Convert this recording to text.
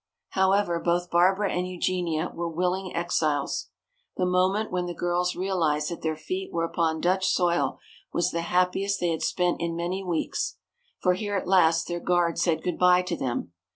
However, both Barbara and Eugenia were willing exiles. The moment when the girls realized that their feet were upon Dutch soil was the happiest they had spent in many weeks. For here at last their guard said good bye to them.